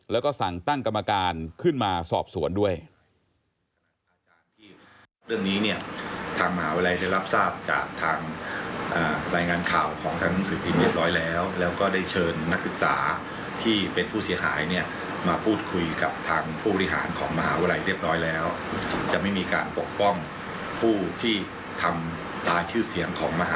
แล้วก็สั่งตั้งกรรมการขึ้นมาสอบสวนด้วย